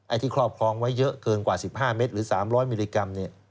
ที่ครอบครองไว้เยอะเกินกว่า๑๕เมตรหรือ๓๐๐มิลลิกรัม